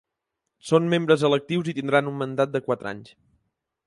Són membres electius i tindran un mandat de quatre anys.